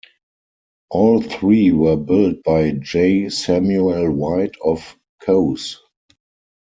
All three were built by J. Samuel White of Cowes.